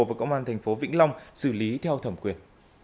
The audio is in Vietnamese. và công an thành phố vĩnh long xử lý theo thẩm quyền